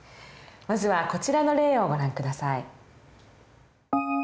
まずはこちらの例をご覧下さい。